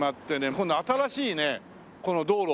今度新しいねこの道路。